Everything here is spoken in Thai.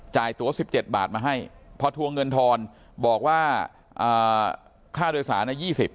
ตัว๑๗บาทมาให้พอทวงเงินทอนบอกว่าค่าโดยสาร๒๐